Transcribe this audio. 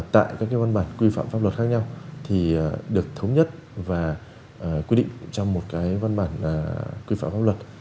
tại các cái văn bản quy phạm pháp luật khác nhau thì được thống nhất và quy định trong một cái văn bản quy phạm pháp luật